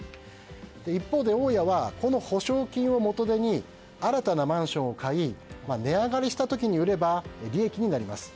一方で大家はこの保証金を元手に新たなマンションを買い値上がりした時に売れば利益になります。